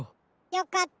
よかった。